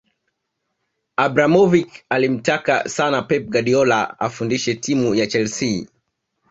Abramovic alimtaka sana Pep Guardiola afundishe timu ya chelsea